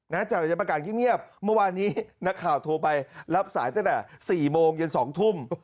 จากบรรยากาศเงียบเมื่อวานนี้นักข่าวโทรไปรับสายตั้งแต่๔โมงเย็น๒ทุ่ม